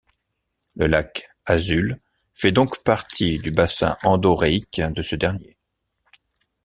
Le lac Azul fait donc partie du bassin endoréique de ce dernier.